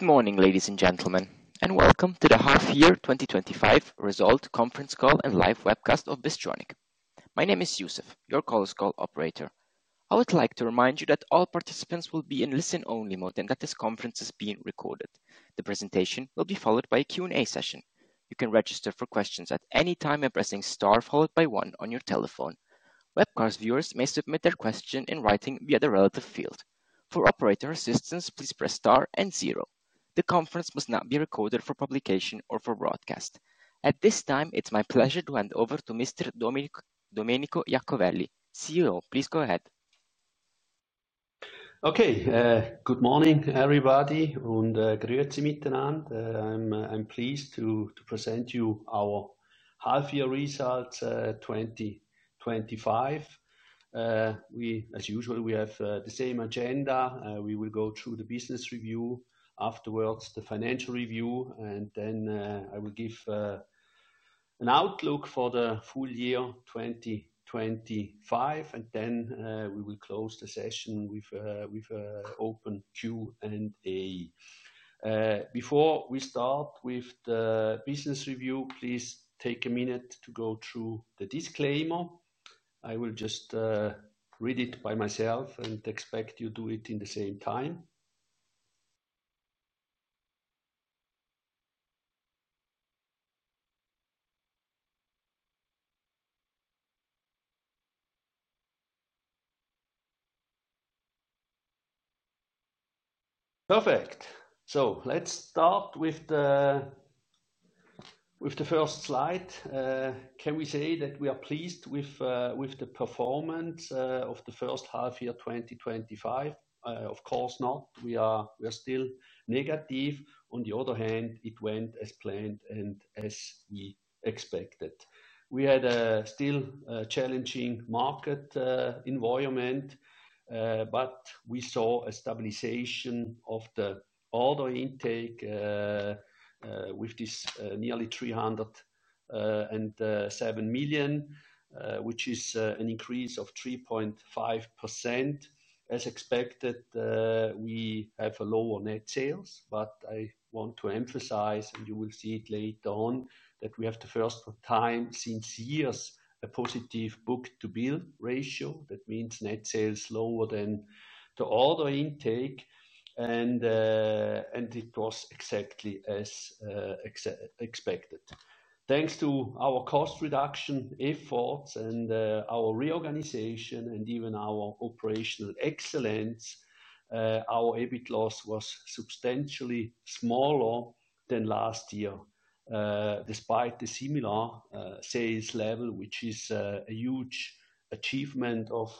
Good morning, ladies and gentlemen, and welcome to the half year 2025 resolved conference call and live webcast of Bystronic. My name is Yusuf, your call is called Operator. I would like to remind you that all participants will be in listen-only mode and that this conference is being recorded. The presentation will be followed by a Q&A session. You can register for questions at any time by pressing star followed by one on your telephone. Webcast viewers may submit their question in writing via the relative field. For operator assistance, please press star and zero. The conference must not be recorded for publication or for broadcast. At this time, it's my pleasure to hand over to Mr. Domenico Iacovelli, CEO. Please go ahead. Okay. Good morning, everybody, and greetings to you all. I'm pleased to present you our Half Year Results 2025. As usual, we have the same agenda. We will go through the business review, afterwards the financial review, and then I will give an outlook for the full year 2025. We will close the session with an open Q&A. Before we start with the business review, please take a minute to go through the disclaimer. I will just read it by myself and expect you to do it in the same time. Perfect. Let's start with the first slide. Can we say that we are pleased with the performance of the first half year 2025? Of course not. We are still negative. On the other hand, it went as planned and as we expected. We had a still challenging market environment, but we saw a stabilization of the order intake with this nearly 307 million, which is an increase of 3.5%. As expected, we have lower net sales, but I want to emphasize, and you will see it later on, that we have the first time since years a positive book-to-bill ratio. That means net sales lower than the order intake, and it was exactly as expected. Thanks to our cost reduction efforts and our reorganization and even our operational excellence, our EBIT loss was substantially smaller than last year, despite the similar sales level, which is a huge achievement of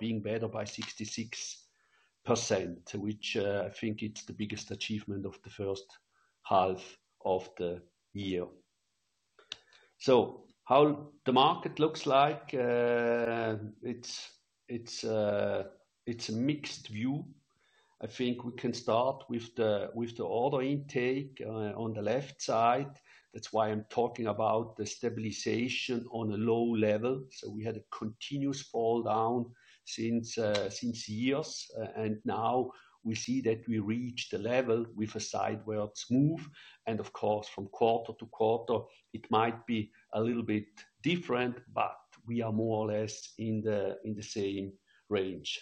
being better by 66%, which I think is the biggest achievement of the first half of the year. How the market looks like, it's a mixed view. I think we can start with the order intake on the left side. That's why I'm talking about the stabilization on a low level. We had a continuous fall down since years, and now we see that we reached a level with a sidewards move. Of course, from quarter to quarter, it might be a little bit different, but we are more or less in the same range.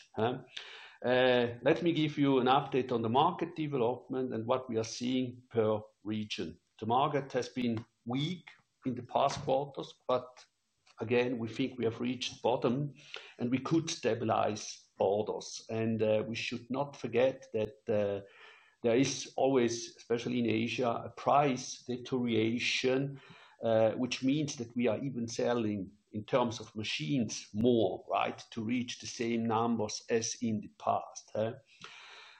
Let me give you an update on the market development and what we are seeing per region. The market has been weak in the past quarters, but again, we think we have reached bottom and we could stabilize orders. We should not forget that there is always, especially in Asia, a price deterioration, which means that we are even selling in terms of machines more, right, to reach the same numbers as in the past.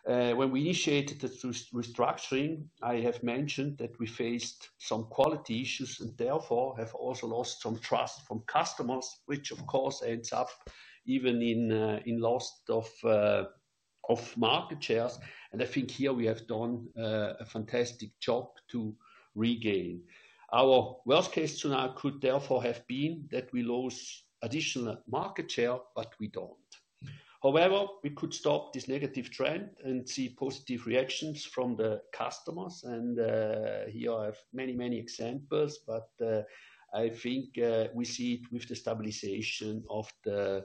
When we initiated the restructuring, I have mentioned that we faced some quality issues and therefore have also lost some trust from customers, which of course ends up even in loss of market shares. I think here we have done a fantastic job to regain. Our worst-case scenario could therefore have been that we lose additional market share, but we don't. However, we could stop this negative trend and see positive reactions from the customers. Here I have many, many examples, but I think we see it with the stabilization of the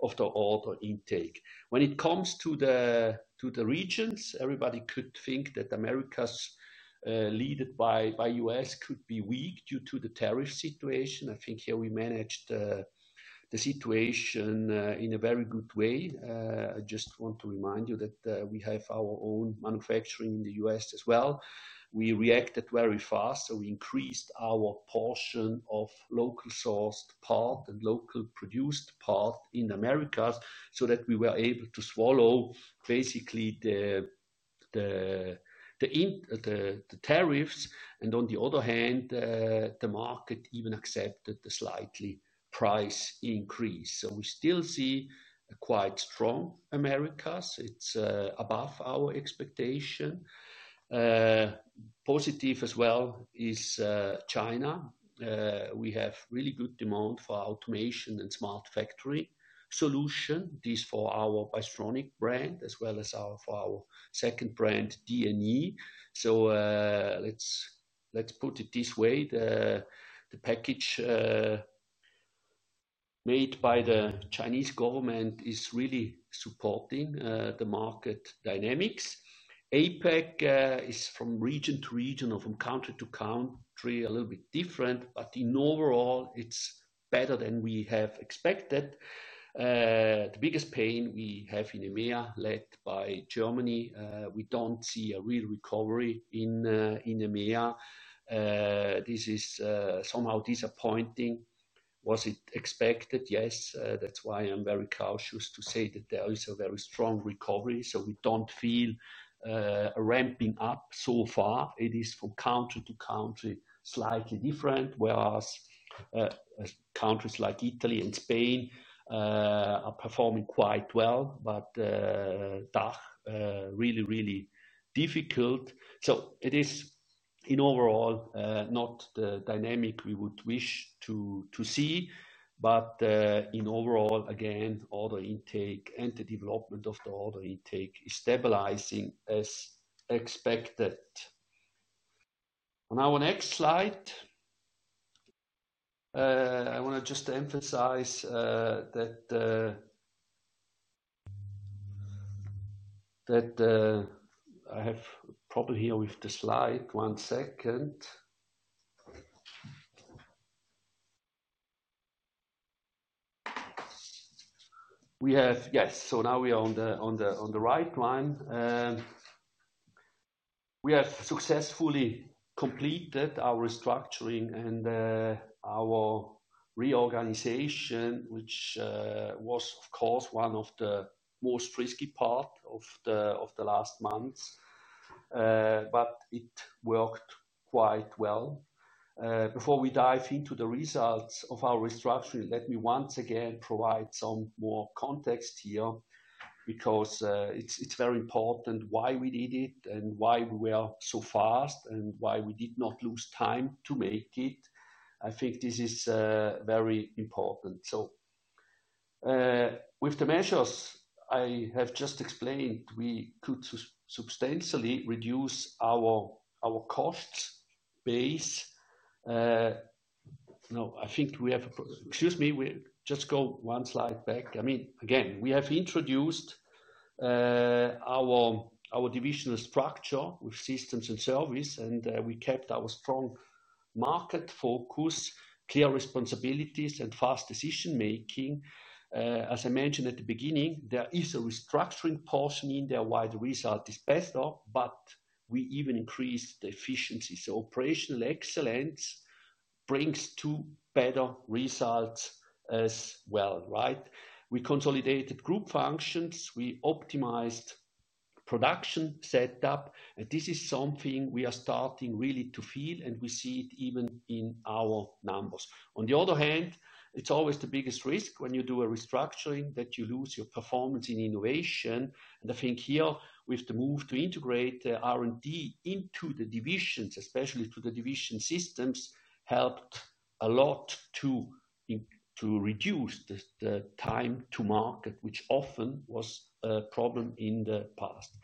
order intake. When it comes to the regions, everybody could think that Americas, lead by U.S., could be weak due to the tariff situation. I think here we managed the situation in a very good way. I just want to remind you that we have our own manufacturing in the U.S. as well. We reacted very fast, so we increased our portion of local-sourced part and local-produced part in the Americas so that we were able to swallow basically the tariffs. On the other hand, the market even accepted the slightly price increase. We still see quite strong Americas. It's above our expectation. Positive as well is China. We have really good demand for automation and smart factory solutions. This is for our Bystronic brand as well as for our second brand, DNE. Let's put it this way. The package made by the Chinese government is really supporting the market dynamics. APEC is from region to region or from country to country a little bit different, but overall, it's better than we have expected. The biggest pain we have is in EMEA, led by Germany. We don't see a real recovery in EMEA. This is somehow disappointing. Was it expected? Yes. That's why I'm very cautious to say that there is a very strong recovery. We don't feel a ramping up so far. It is from country to country slightly different, whereas countries like Italy and Spain are performing quite well, but DACH is really, really difficult. It is overall not the dynamic we would wish to see, but overall, again, order intake and the development of the order intake is stabilizing as expected. On our next slide, I want to just emphasize that I have a problem here with the slide. One second. Yes. Now we are on the right plan. We have successfully completed our restructuring and our reorganization, which was, of course, one of the most risky parts of the last months, but it worked quite well. Before we dive into the results of our restructuring, let me once again provide some more context here because it's very important why we did it and why we were so fast and why we did not lose time to make it. I think this is very important. With the measures I have just explained, we could substantially reduce our cost base. No, I think we have a, excuse me, just go one slide back. I mean, again, we have introduced our divisional structure with systems and service, and we kept our strong market focus, clear responsibilities, and fast decision-making. As I mentioned at the beginning, there is a restructuring portion in there why the result is better, but we even increased the efficiency. Operational excellence brings to better results as well, right? We consolidated group functions. We optimized production setup. This is something we are starting really to feel, and we see it even in our numbers. On the other hand, it's always the biggest risk when you do a restructuring that you lose your performance in innovation. I think here with the move to integrate the R&D into the divisions, especially to the division systems, helped a lot to reduce the time to market, which often was a problem in the past.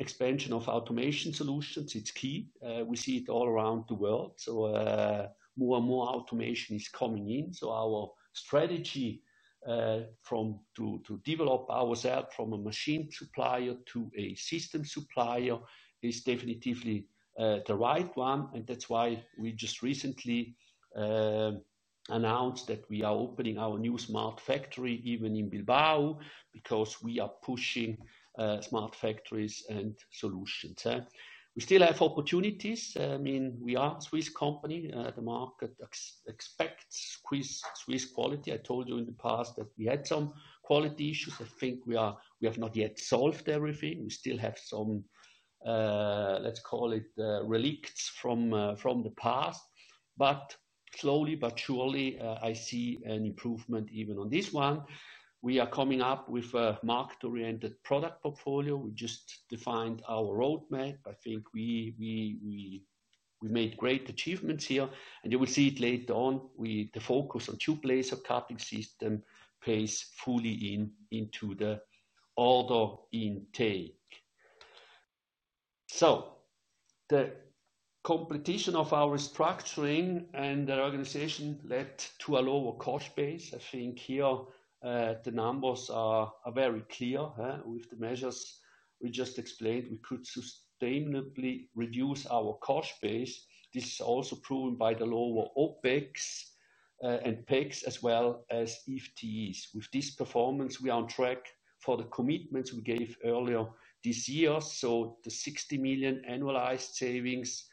Expansion of automation solutions is key. We see it all around the world. More and more automation is coming in. Our strategy to develop ourselves from a machine supplier to a systems provider is definitely the right one. That's why we just recently announced that we are opening our new smart factory even in Bilbao because we are pushing smart factories and solutions. We still have opportunities. I mean, we are a Swiss company. The market expects Swiss quality. I told you in the past that we had some quality issues. I think we have not yet solved everything. We still have some, let's call it relicts from the past. Slowly but surely, I see an improvement even on this one. We are coming up with a market-oriented product portfolio. We just defined our roadmap. I think we made great achievements here. You will see it later on. The focus on tube laser cutting system plays fully into the order intake. The competition of our restructuring and the reorganization led to a lower cost base. I think here, the numbers are very clear. With the measures we just explained, we could sustainably reduce our cost base. This is also proven by the lower OpEx and CapEx as well as FTEs. With this performance, we are on track for the commitments we gave earlier this year. The 60 million annualized savings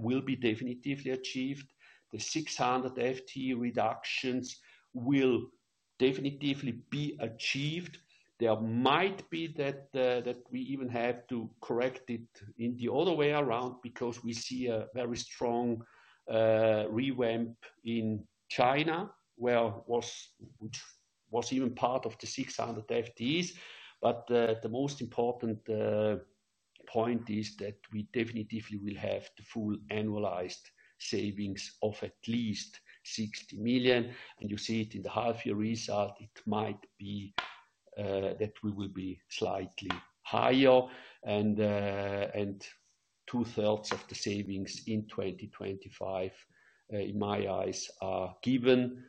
will be definitively achieved. The 600 FTE reductions will definitively be achieved. There might be that we even have to correct it in the other way around because we see a very strong revamp in China where it was even part of the 600 FTEs. The most important point is that we definitely will have the full annualized savings of at least 60 million. You see it in the half-year result. It might be that we will be slightly higher. 2/3 of the savings in 2025, in my eyes, are given.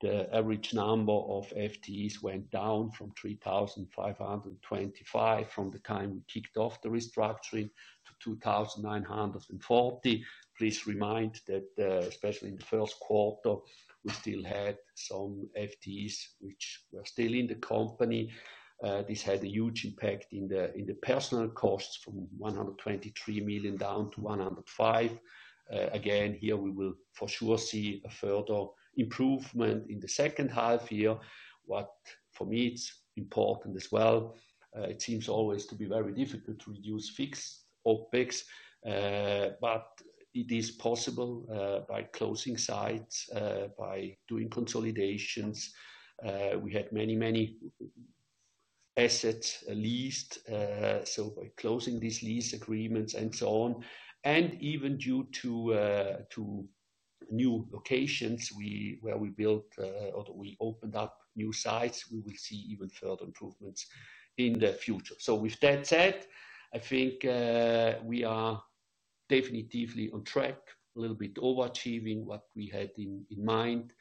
The average number of FTEs went down from 3,525 from the time we kicked off the restructuring to 2,940. Please remind that, especially in the first quarter, we still had some FTEs which were still in the company. This had a huge impact in the personnel costs from 123 million down to 105 million. Again, here we will for sure see a further improvement in the second half year. For me, it's important as well. It seems always to be very difficult to reduce fixed OpEx, but it is possible by closing sites, by doing consolidations. We had many, many assets leased, so by closing these lease agreements and so on. Even due to new locations where we built or we opened up new sites, we will see even further improvements in the future. With that said, I think we are definitively on track, a little bit overachieving what we had in mind.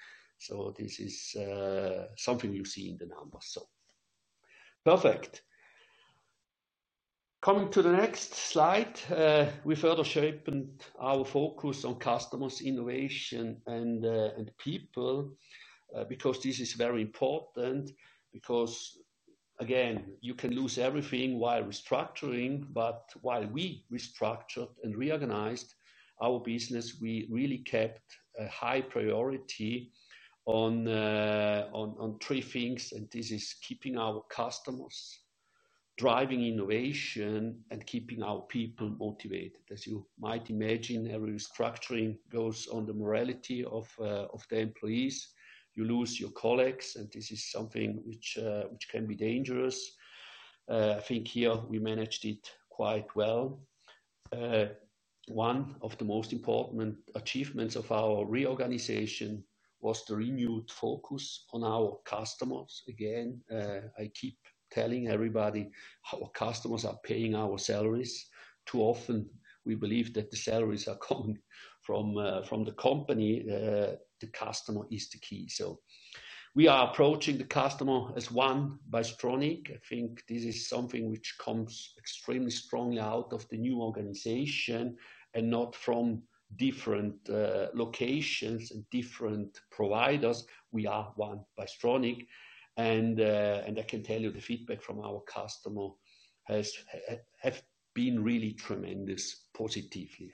This is something you see in the numbers. Perfect. Coming to the next slide, we further sharpened our focus on customers, innovation, and people, because this is very important. Again, you can lose everything while restructuring. While we restructured and reorganized our business, we really kept a high priority on three things. This is keeping our customers, driving innovation, and keeping our people motivated. As you might imagine, every restructuring goes on the morality of the employees. You lose your colleagues, and this is something which can be dangerous. I think here we managed it quite well. One of the most important achievements of our reorganization was the renewed focus on our customers. Again, I keep telling everybody our customers are paying our salaries. Too often, we believe that the salaries are coming from the company. The customer is the key. We are approaching the customer as one Bystronic. I think this is something which comes extremely strongly out of the new organization and not from different locations and different providers. We are one Bystronic. I can tell you the feedback from our customers has been really tremendous, positively.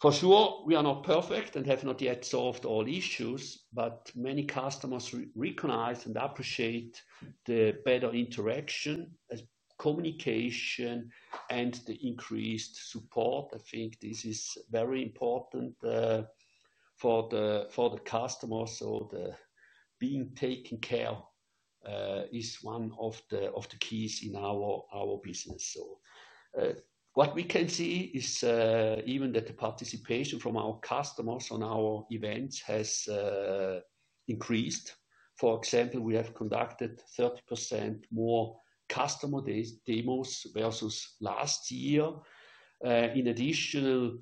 For sure, we are not perfect and have not yet solved all issues, but many customers recognize and appreciate the better interaction, communication, and the increased support. I think this is very important for the customers. Being taken care of is one of the keys in our business. What we can see is, even the participation from our customers at our events has increased. For example, we have conducted 30% more customer demos versus last year. In addition,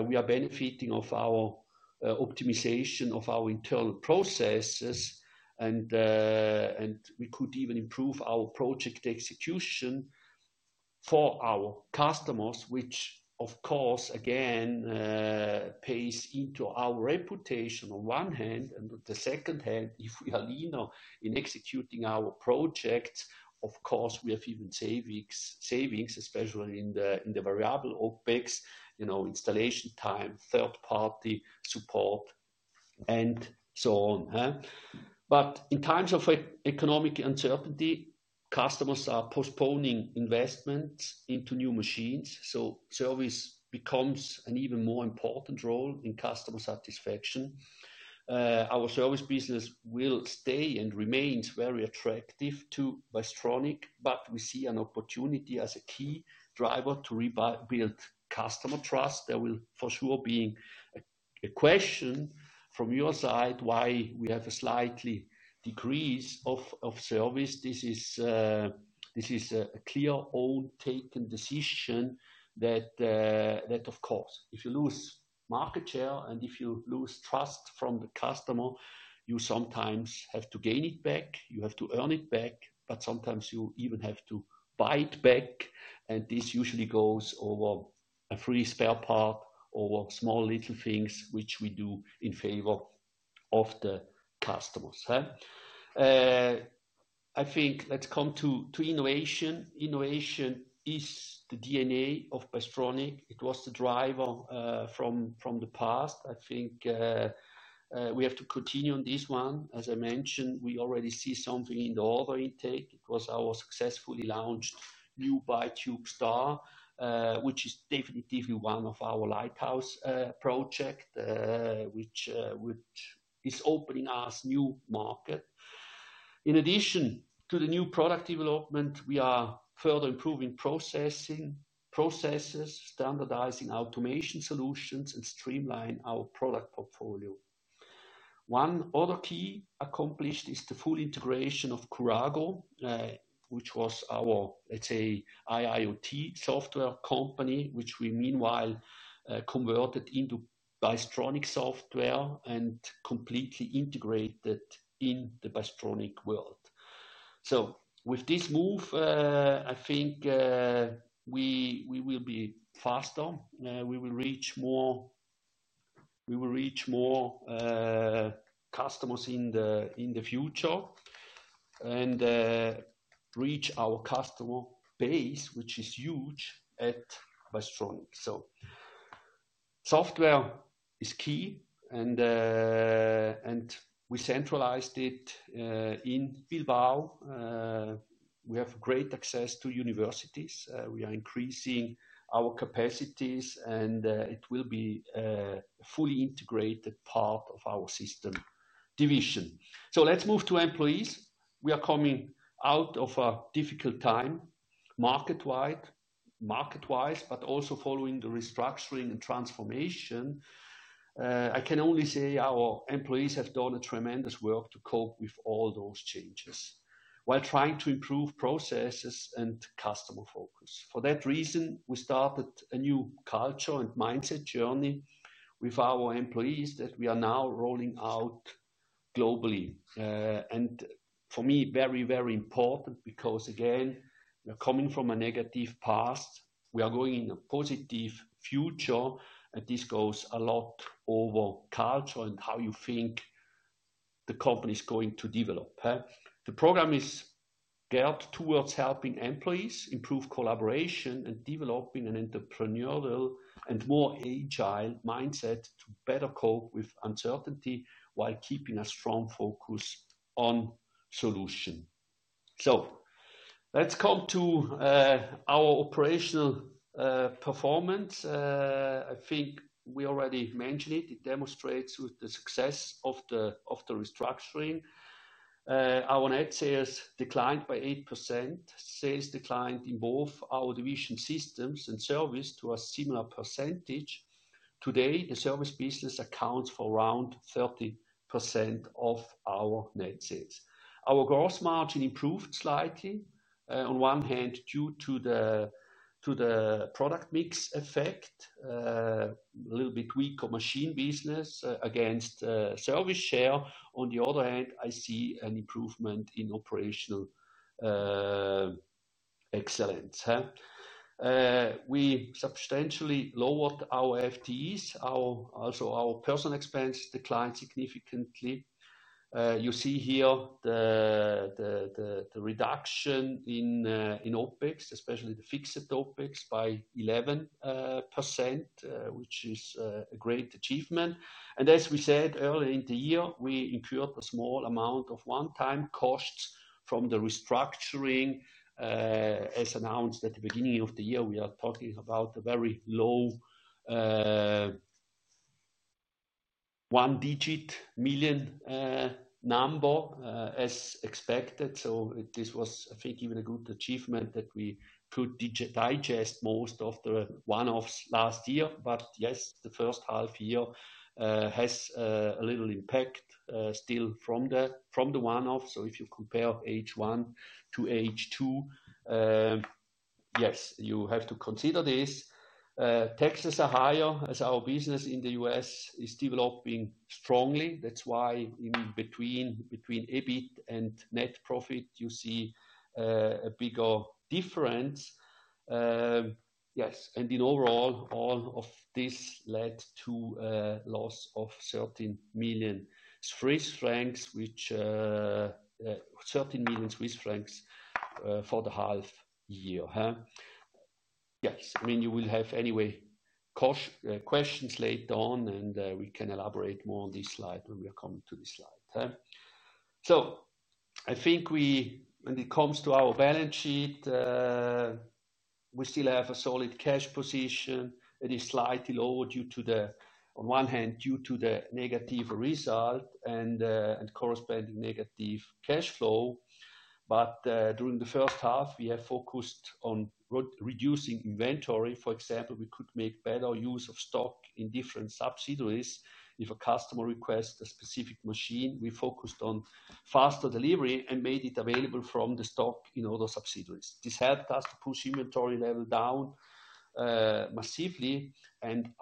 we are benefiting from our optimization of our internal processes, and we could even improve our project execution for our customers, which, of course, again, pays into our reputation on one hand. On the second hand, if we are leaner in executing our projects, we have even savings, especially in the variable OpEx, you know, installation time, third-party support, and so on. In times of economic uncertainty, customers are postponing investments into new machines, so service becomes an even more important role in customer satisfaction. Our service business will stay and remain very attractive to Bystronic, but we see an opportunity as a key driver to rebuild customer trust. There will for sure be a question from your side why we have a slight decrease of service. This is a clear own-taken decision that, of course, if you lose market share and if you lose trust from the customer, you sometimes have to gain it back. You have to earn it back, but sometimes you even have to buy it back. This usually goes over a free spare part or small little things, which we do in favor of the customers. I think let's come to innovation. Innovation is the DNA of Bystronic. It was the driver from the past. I think we have to continue on this one. As I mentioned, we already see something in the order intake. It was our successfully launched new ByTube Star, which is definitively one of our lighthouse projects, which is opening us a new market. In addition to the new product development, we are further improving processes, standardizing automation solutions, and streamlining our product portfolio. One other key accomplishment is the full integration of Kurago, which was our, let's say, IIoT software company, which we meanwhile converted into Bystronic Software and completely integrated in the Bystronic world. With this move, I think we will be faster. We will reach more customers in the future and reach our customer base, which is huge at Bystronic. Software is key, and we centralized it in Bilbao. We have great access to universities. We are increasing our capacities, and it will be a fully integrated part of our system division. Let's move to employees. We are coming out of a difficult time market-wise, but also following the restructuring and transformation. I can only say our employees have done tremendous work to cope with all those changes while trying to improve processes and customer focus. For that reason, we started a new culture and mindset journey with our employees that we are now rolling out globally. For me, very, very important because, again, we are coming from a negative past. We are going in a positive future. This goes a lot over culture and how you think the company is going to develop. The program is geared towards helping employees improve collaboration and developing an entrepreneurial and more agile mindset to better cope with uncertainty while keeping a strong focus on solutions. Let's come to our operational performance. I think we already mentioned it. It demonstrates with the success of the restructuring. Our net sales declined by 8%. Sales declined in both our division systems and service to a similar percentage. Today, the service business accounts for around 30% of our net sales. Our gross margin improved slightly. On one hand, due to the product mix effect, a little bit weaker machine business against service share. On the other hand, I see an improvement in operational excellence. We substantially lowered our FTEs. Also, our personnel expense declined significantly. You see here the reduction in OpEx, especially the fixed OpEx by 11%, which is a great achievement. As we said earlier in the year, we incurred a small amount of one-time costs from the restructuring. As announced at the beginning of the year, we are talking about a very low, one-digit million number, as expected. This was, I think, even a good achievement that we could digest most of the one-offs last year. The first half year has a little impact still from the one-off. If you compare H1 to H2, you have to consider this. Taxes are higher as our business in the U.S. is developing strongly. That's why in between EBIT and net profit, you see a bigger difference. Yes. In overall, all of this led to a loss of 13 million Swiss francs, which, certainly 13 million Swiss francs, for the half year. Yes. I mean, you will have anyway questions later on, and we can elaborate more on this slide when we come to this slide. I think when it comes to our balance sheet, we still have a solid cash position. It is slightly lower due to, on one hand, the negative result and corresponding negative cash flow. During the first half, we have focused on reducing inventory. For example, we could make better use of stock in different subsidiaries. If a customer requests a specific machine, we focused on faster delivery and made it available from the stock in other subsidiaries. This helped us to push inventory level down, massively.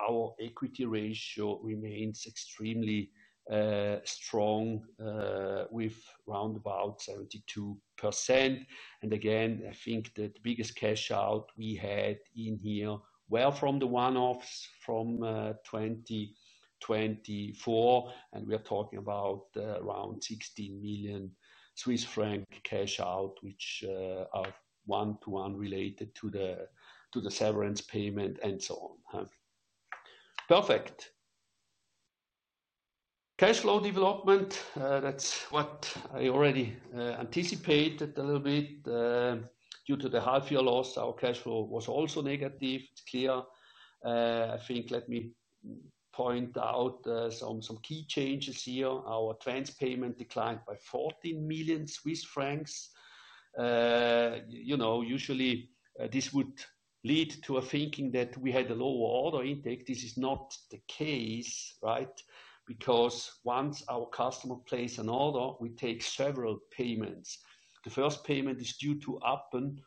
Our equity ratio remains extremely strong, with around 72%. I think that the biggest cash out we had in here, from the one-offs from 2024, and we are talking about around 16 million Swiss franc cash out, which are one-to-one related to the severance payment and so on. Perfect. Cash flow development, that's what I already anticipated a little bit. Due to the half-year loss, our cash flow was also negative. It's clear. Let me point out some key changes here. Our advance payment declined by 14 million Swiss francs. You know, usually, this would lead to a thinking that we had a lower order intake. This is not the case, right? Because once our customer places an order, we take several payments. The first payment is due upon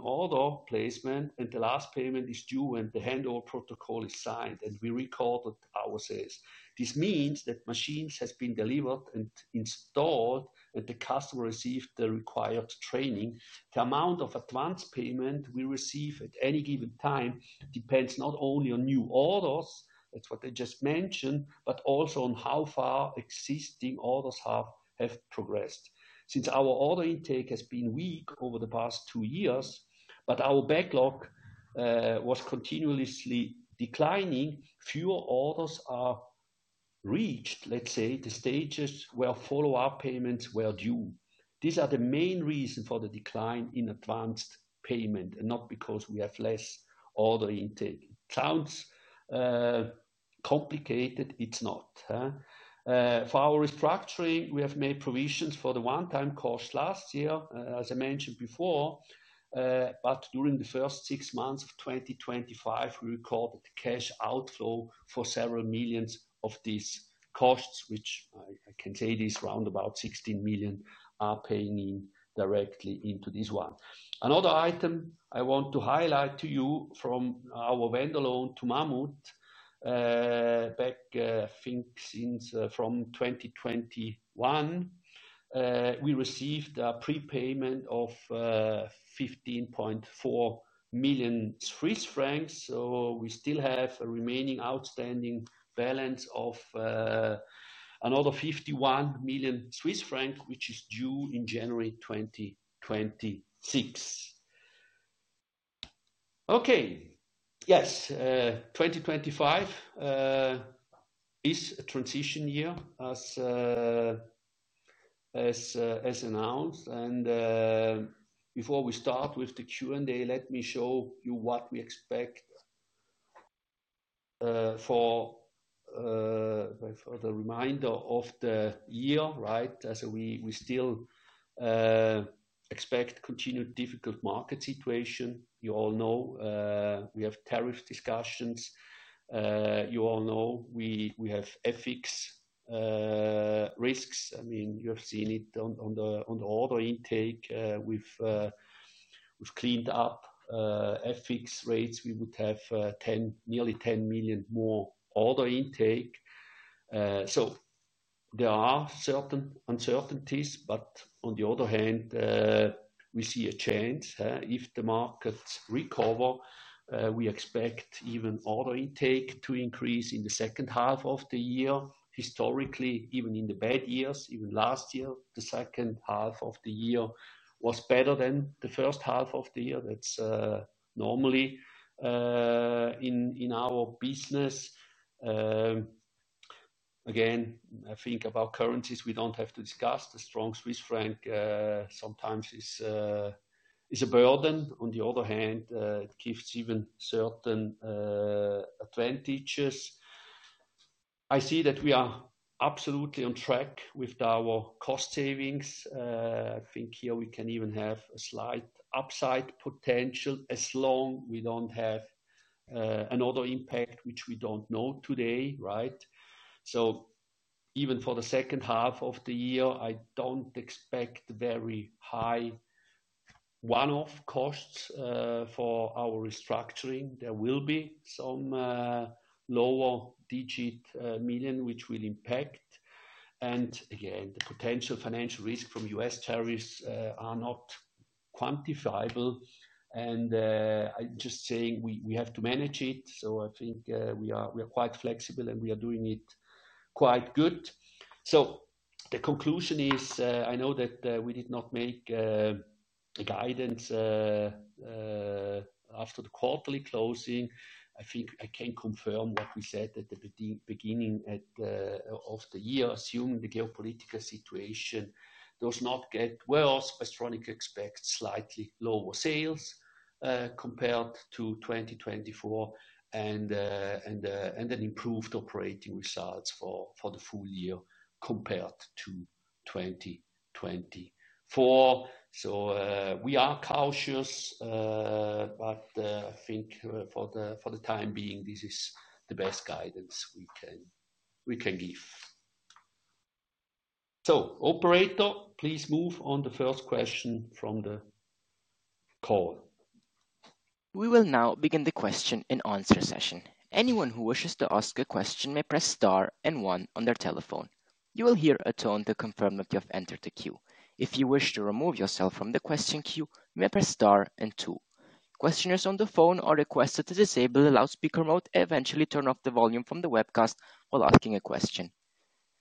order placement, and the last payment is due when the handover protocol is signed, and we recorded our sales. This means that machines have been delivered and installed, and the customer received the required training. The amount of advance payment we receive at any given time depends not only on new orders, that's what I just mentioned, but also on how far existing orders have progressed. Since our order intake has been weak over the past two years, but our backlog was continuously declining, fewer orders reached the stages where follow-up payments were due. These are the main reasons for the decline in advance payment and not because we have less order intake. It sounds complicated. It's not. For our restructuring, we have made provisions for the one-time costs last year, as I mentioned before. During the first six months of 2025, we recorded cash outflow for several millions of these costs, which I can say this roundabout 16 million are paying in directly into this one. Another item I want to highlight to you from our vendor loan to Mammut, back, I think since from 2021, we received a prepayment of 15.4 million Swiss francs. We still have a remaining outstanding balance of another 51 million Swiss francs, which is due in January 2026. Yes, 2025 is a transition year as announced. Before we start with the Q&A, let me show you what we expect for the remainder of the year, right? We still expect continued difficult market situation. You all know, we have tariff discussions. You all know we have FX risks. I mean, you have seen it on the order intake. We've cleaned up FX rates. We would have nearly 10 million more order intake. There are certain uncertainties, but on the other hand, we see a chance. If the markets recover, we expect even order intake to increase in the second half of the year. Historically, even in the bad years, even last year, the second half of the year was better than the first half of the year. That's normally in our business. Again, I think about currencies, we don't have to discuss. The strong Swiss franc sometimes is a burden. On the other hand, it gives even certain advantages. I see that we are absolutely on track with our cost savings. I think here we can even have a slight upside potential as long as we don't have another impact, which we don't know today, right? Even for the second half of the year, I don't expect very high one-off costs for our restructuring. There will be some lower-digit million, which will impact. Again, the potential financial risk from U.S. tariffs are not quantifiable. I'm just saying we have to manage it. I think we are quite flexible and we are doing it quite good. The conclusion is, I know that we did not make a guidance after the quarterly closing. I think I can confirm what we said at the beginning of the year. Assuming the geopolitical situation does not get worse, Bystronic AG expects slightly lower sales compared to 2024 and an improved operating result for the full year compared to 2024. We are cautious, but I think for the time being, this is the best guidance we can give. Operator, please move on the first question from the call. We will now begin the question and answer session. Anyone who wishes to ask a question may press star and one on their telephone. You will hear a tone to confirm that you have entered the queue. If you wish to remove yourself from the question queue, you may press star and two. Questioners on the phone are requested to disable the loudspeaker mode and eventually turn off the volume from the webcast while asking a question.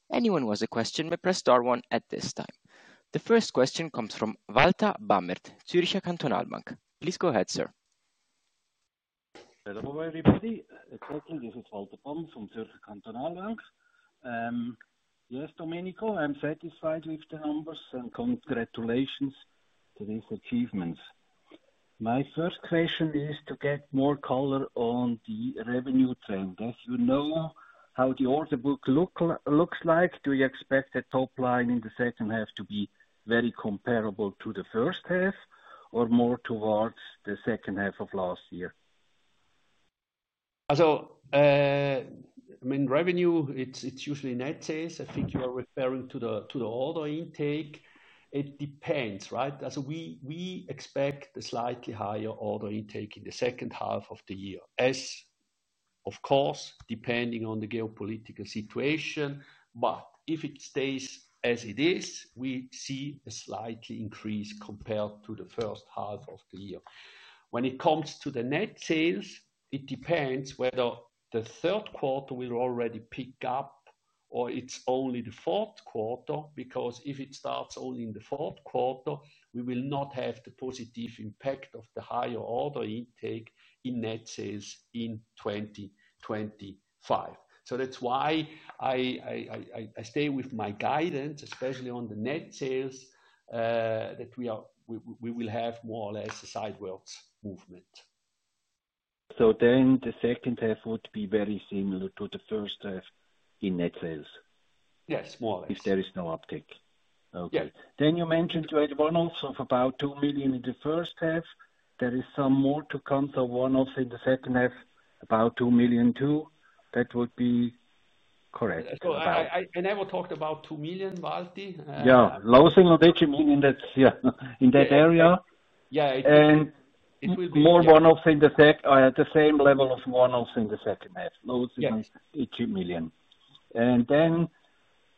Anyone who has a question may press star one at this time. The first question comes from Walter Bamert, Zürcher Kantonalbank. Please go ahead, sir. Hello everybody. Exciting. This is Walter Bammert from Zürcher Kantonalbank. Yes, Domenico, I am satisfied with the numbers and congratulations to these achievements. My first question is to get more color on the revenue trend. As you know how the order book looks like, do you expect the top line in the second half to be very comparable to the first half or more towards the second half of last year? I mean, revenue, it's usually net sales. I think you are referring to the order intake. It depends, right? We expect a slightly higher order intake in the second half of the year, as of course, depending on the geopolitical situation. If it stays as it is, we see a slight increase compared to the first half of the year. When it comes to the net sales, it depends whether the third quarter will already pick up or it's only the fourth quarter because if it starts only in the fourth quarter, we will not have the positive impact of the higher order intake in net sales in 2025. That's why I stay with my guidance, especially on the net sales, that we will have more or less a sidewards movement. Would the second half be very similar to the first half in net sales? Yes, more or less. If there is no uptake. Okay. You mentioned you had one-offs of about 2 million in the first half. There is some more to come, so one-offs in the second half, about 2 million too. That would be correct. Let's go ahead. I never talked about 2 million, Walter. Yeah, [low single digit] meaning, that's, yeah, in that area. Yeah, it's. Will it be more one-offs in the second half or at the same level of one-offs in the second half, losing on the 2 million?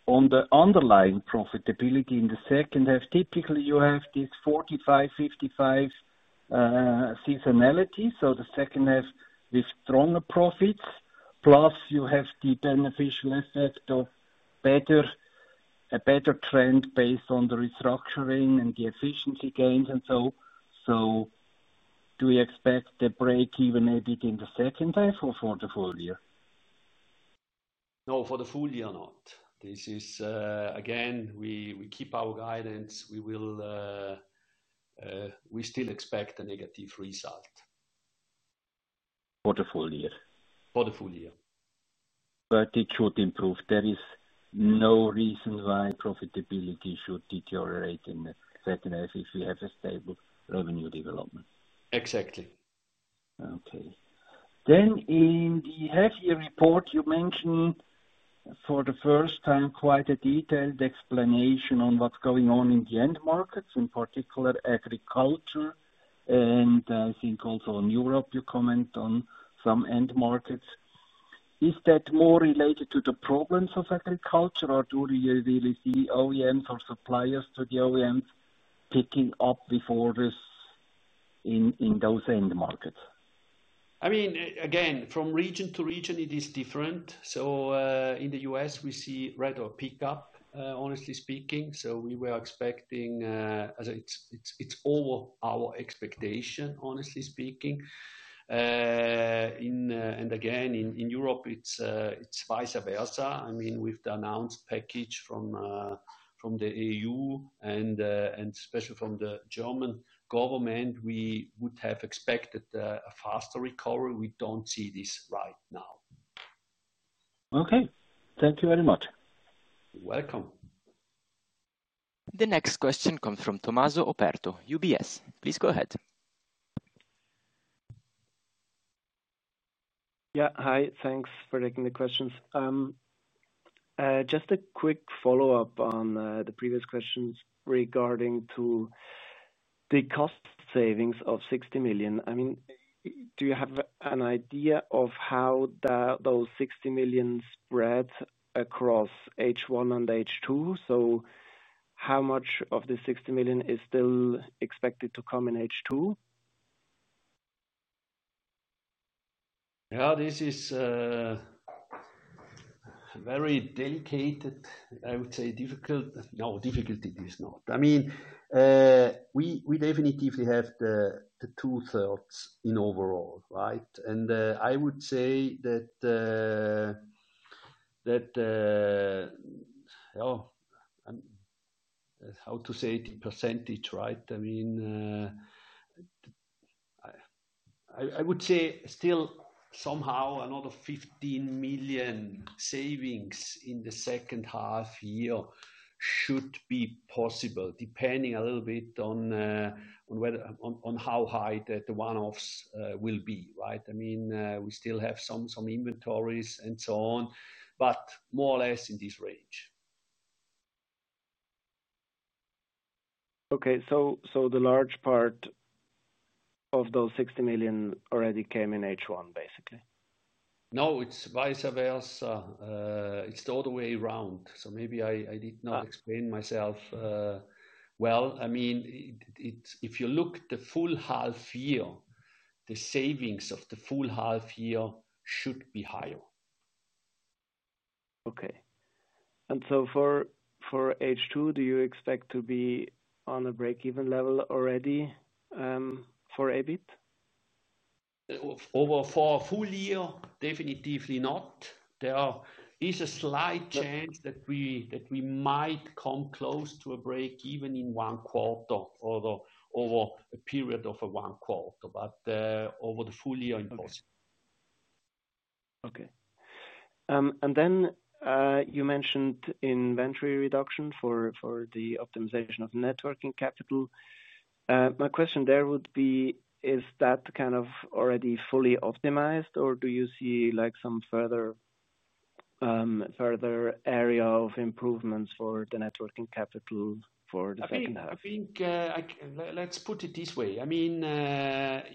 On the underlying profitability in the second half, typically you have this 45%, 55% seasonality, so the second half with stronger profits, plus you have the beneficial effect of a better trend based on the restructuring and the efficiency gains. Do we expect the break even added in the second half or for the full year? No, for the full year not. This is, again, we keep our guidance. We still expect a negative result for the full year. For the full year. But it should improve. There is no reason why profitability should deteriorate in the second half if we have a stable revenue development. Exactly. In the half-year report, you mentioned for the first time quite a detailed explanation on what's going on in the end markets, in particular agriculture. I think also in Europe, you comment on some end markets. Is that more related to the problems of agriculture, or do you really see OEMs or suppliers to the OEMs picking up before this in those end markets? Again, from region to region, it is different. In the U.S., we see rather pickup, honestly speaking. We were expecting, as it's over our expectation, honestly speaking. In Europe, it's vice versa. With the announced package from the EU and especially from the German government, we would have expected a faster recovery. We don't see this right now. Okay, thank you very much. You're welcome. The next question comes from Tommaso Operto, UBS. Please go ahead. Yeah. Hi. Thanks for taking the questions. Just a quick follow-up on the previous questions regarding the cost savings of 60 million. Do you have an idea of how those 60 million spread across H1 and H2? How much of the 60 million is still expected to come in H2? Yeah, this is very delicate, I would say, difficult. No, difficult it is not. I mean, we definitely have the two-thirds in overall, right? I would say that, oh, how to say it in percentage, right? I would say still somehow another 15 million savings in the second half year should be possible, depending a little bit on whether, on how high the one-offs will be, right? I mean, we still have some inventories and so on, but more or less in this range. Okay. So the large part of those 60 million already came in H1, basically? No, it's vice versa. It's the other way around. Maybe I did not explain myself well. If you look at the full half year, the savings of the full half year should be higher. Okay. For H2, do you expect to be on a break-even level already for EBIT? For a full year, definitely not. There is a slight chance that we might come close to a break even in one quarter or over a period of one quarter, but over the full year in total. Okay. You mentioned inventory reduction for the optimization of net working capital. My question there would be, is that kind of already fully optimized, or do you see some further area of improvements for the net working capital for the second half? I think let's put it this way.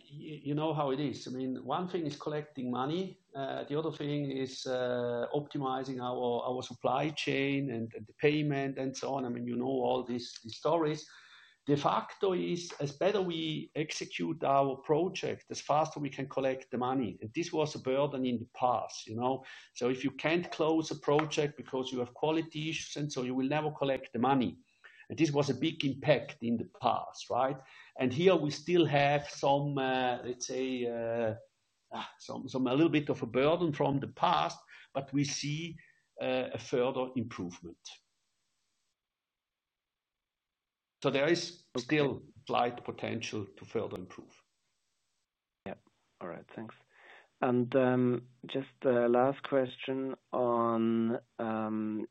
You know how it is. One thing is collecting money, the other thing is optimizing our supply chain and the payment and so on. You know all these stories. De facto is, as better we execute our project, as faster we can collect the money. This was a burden in the past. If you can't close a project because you have quality issues, you will never collect the money. This was a big impact in the past, right? Here, we still have some, let's say, a little bit of a burden from the past, but we see a further improvement. There is still slight potential to further improve. All right. Thanks. Just the last question on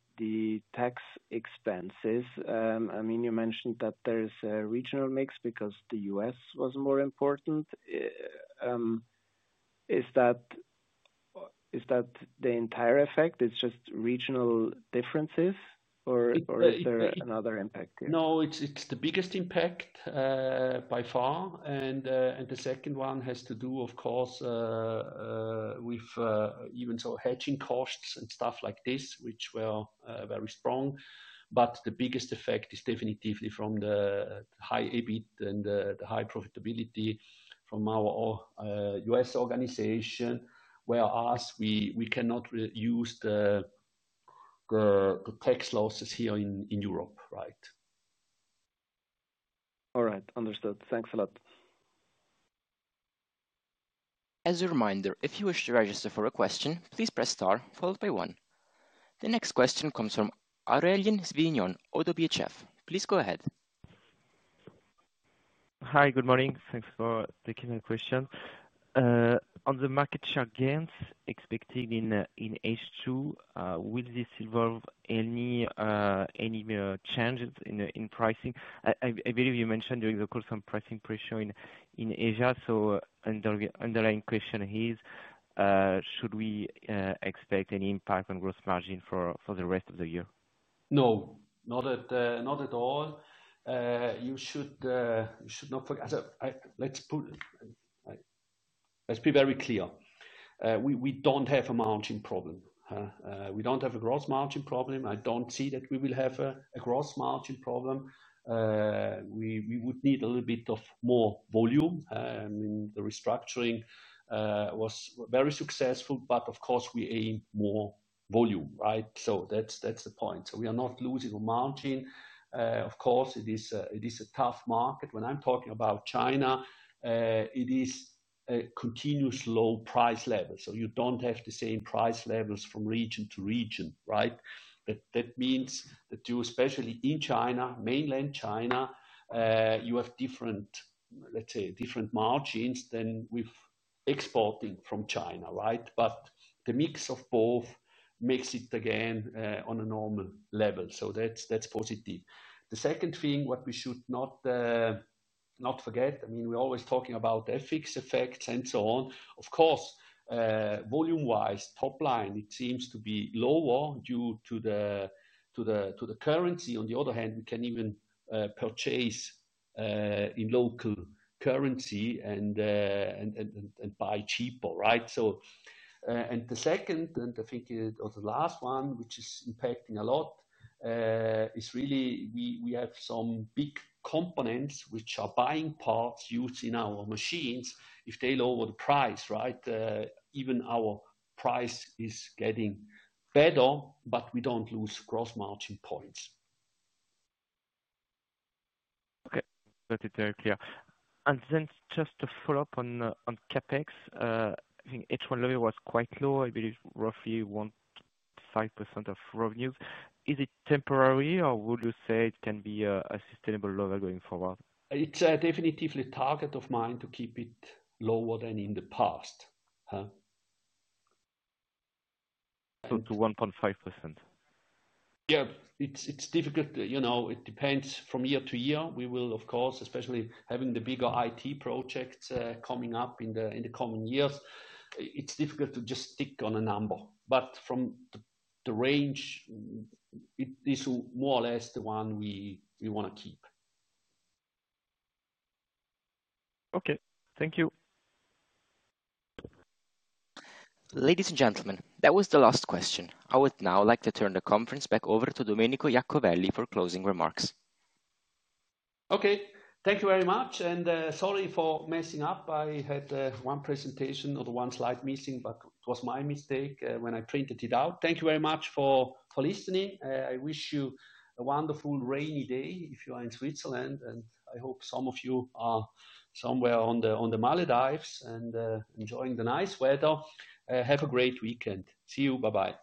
the tax expenses. You mentioned that there is a regional mix because the U.S. was more important. Is that the entire effect? It's just regional differences, or is there another impact here? No, it's the biggest impact by far. The second one has to do, of course, with even so hedging costs and stuff like this, which were very strong. The biggest effect is definitely from the high EBIT and the high profitability from our U.S. organization, whereas we cannot use the tax losses here in Europe, right? All right. Understood. Thanks a lot. As a reminder, if you wish to register for a question, please press star followed by one. The next question comes from Aurelien Sivignon of BHF. Please go ahead. Hi. Good morning. Thanks for taking the question. On the market share gains expected in H2, will this involve any changes in pricing? I believe you mentioned during the call some pricing pressure in Asia. The underlying question is, should we expect any impact on gross margin for the rest of the year? No, not at all. You should not forget. Let's be very clear. We don't have a margin problem. We don't have a gross margin problem. I don't see that we will have a gross margin problem. We would need a little bit more volume. I mean, the restructuring was very successful, but of course, we aim more volume, right? That's the point. We are not losing a margin. Of course, it is a tough market. When I'm talking about China, it is a continuous low price level. You don't have the same price levels from region to region, right? That means that you, especially in China, mainland China, you have different, let's say, different margins than with exporting from China, right? The mix of both makes it again on a normal level. That's positive. The second thing we should not forget, I mean, we're always talking about the FX effects and so on. Of course, volume-wise, top line, it seems to be lower due to the currency. On the other hand, we can even purchase in local currency and buy cheaper, right? The second, and I think the last one, which is impacting a lot, is really we have some big components which are buying parts used in our machines. If they lower the price, right, even our price is getting better, but we don't lose gross margin points. Okay. That is very clear. Just to follow up on CapEx, I think H1 level was quite low. I believe roughly 1.5% of revenues. Is it temporary, or would you say it can be a sustainable level going forward? It's definitely a target of mine to keep it lower than in the past. To 1.5%? Yeah. It's difficult. You know, it depends from year to year. We will, of course, especially having the bigger IT projects coming up in the coming years, it's difficult to just stick on a number. From the range, it is more or less the one we want to keep. Okay, thank you. Ladies and gentlemen, that was the last question. I would now like to turn the conference back over to Domenico Iacovelli for closing remarks. Okay. Thank you very much. Sorry for messing up. I had one presentation or the one slide missing, but it was my mistake when I printed it out. Thank you very much for listening. I wish you a wonderful rainy day if you are in Switzerland. I hope some of you are somewhere on the Maldives and enjoying the nice weather. Have a great weekend. See you. Bye-bye.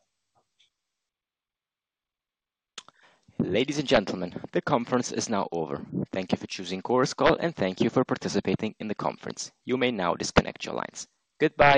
Ladies and gentlemen, the conference is now over. Thank you for choosing CORUS call, and thank you for participating in the conference. You may now disconnect your lines. Goodbye.